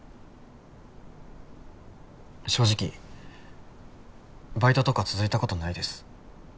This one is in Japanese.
正直バイトとか続いたことないです